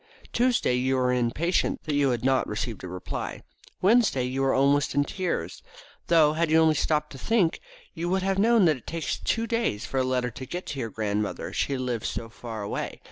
Tuesday you were impatient that you had not received a reply. Wednesday you were almost in tears, though, had you only stopped to think you would have known that it takes two days for a letter to get to your grandmother, she lives so far away.